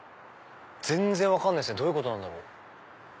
全然分かんないっすねどういうことなんだろう？